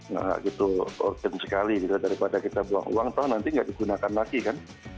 nah itu mungkin sekali daripada kita buang uang nanti tidak digunakan lagi kan